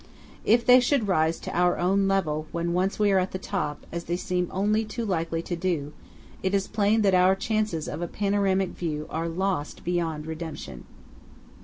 If they should rise to our own level when once we are on the top, as they seem only too likely to do, it is plain that our chances of a panoramic view are lost beyond redemption.